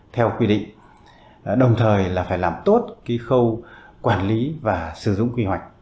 theo quy định đồng thời là phải làm tốt cái khâu quản lý và sử dụng quy hoạch